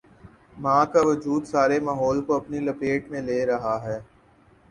ماں کا وجودسارے ماحول کو اپنی لپیٹ میں لے رہا ہے۔